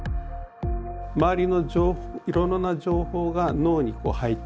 周りのいろいろな情報が脳に入ってくる。